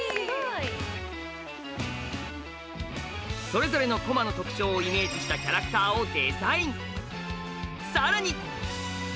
それぞれの駒の特徴をイメージしたキャラクターをデザイン！